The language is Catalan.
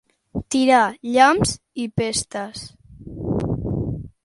Tirar llamps i pestes.